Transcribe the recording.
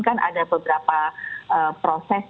kan ada beberapa proses